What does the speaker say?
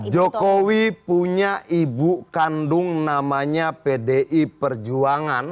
jokowi punya ibu kandung namanya pdi perjuangan